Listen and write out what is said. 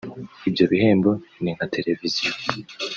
Ibyo bihembo ni nka television